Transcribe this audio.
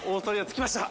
着きました？